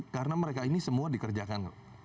karena mereka ini semua dikerjakan